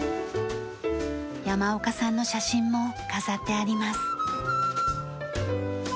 山岡さんの写真も飾ってあります。